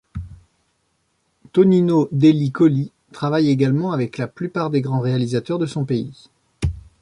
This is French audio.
Tonino Delli Colli travaille également avec la plupart des grands réalisateurs de son pays.